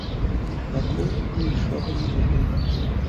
Пакуль нічога не ведаем.